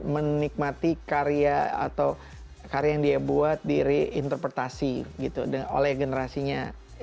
menikmati karya atau karya yang dia buat di reinterpretasi gitu oleh generasinya